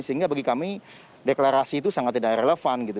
sehingga bagi kami deklarasi itu sangat tidak relevan gitu